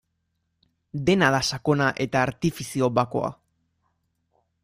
Dena da sakona eta artifizio bakoa.